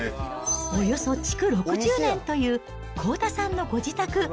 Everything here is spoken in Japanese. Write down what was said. およそ築６０年という幸田さんのご自宅。